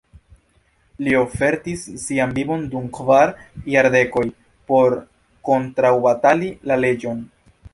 Li ofertis sian vivon dum kvar jardekoj por kontraŭbatali la leĝon.